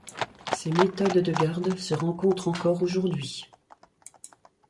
Ces méthodes de garde se rencontrent encore aujourd'hui.